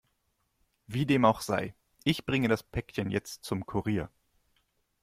Wie dem auch sei, ich bringe das Päckchen jetzt zum Kurier.